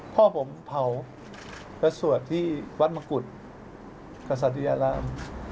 พ่อผมเผาและสวดที่วัดมะกุฎกษัตริยาราม